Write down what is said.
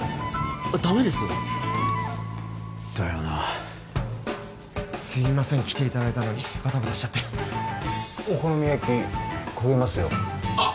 ダメですよだよなすいません来ていただいたのにバタバタしちゃってお好み焼き焦げますよあっ！